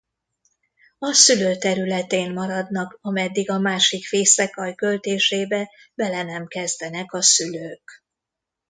A szülő területén maradnak ameddig a másik fészekalj költésébe bele nem kezdenek a szülők.